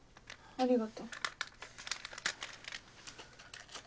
ありがと。